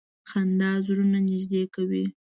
• خندا زړونه نږدې کوي.